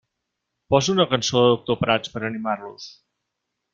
Posa una cançó de Doctor Prats per animar-los.